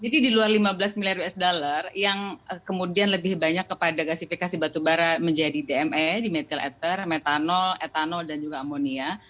jadi di luar lima belas miliar usd yang kemudian lebih banyak kepada gasifikasi batubara menjadi dme di metil ether metanol etanol dan juga amonia